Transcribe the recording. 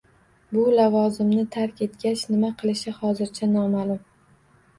Bu lavozimni tark etgach, nima qilishi hozircha noma'lum